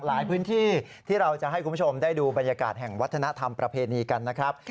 หลายพื้นที่ที่เราจะให้คุณผู้ชมได้ดูบรรยากาศแห่งวัฒนธรรมประเพณีกันนะครับ